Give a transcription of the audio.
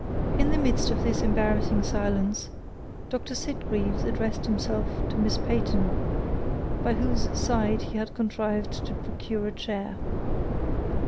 In the midst of this embarrassing silence, Doctor Sitgreaves addressed himself to Miss Peyton, by whose side he had contrived to procure a chair.